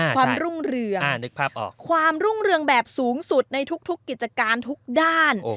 ความรุ่งเรืองนึกภาพออกความรุ่งเรืองแบบสูงสุดในทุกกิจการทุกด้าน